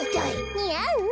にあう？